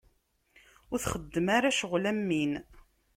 Ur txeddem ara ccɣel am win.